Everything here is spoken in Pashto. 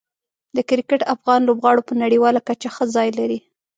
د کرکټ افغان لوبغاړو په نړیواله کچه ښه ځای لري.